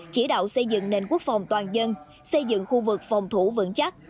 chỉ đạo xây dựng nền quốc phòng toàn dân xây dựng khu vực phòng thủ vững chắc